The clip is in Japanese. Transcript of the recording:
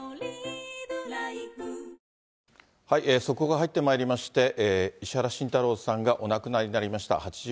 速報が入ってまいりまして、石原慎太郎さんがお亡くなりになりました。